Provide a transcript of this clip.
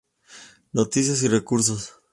Noticias y recursos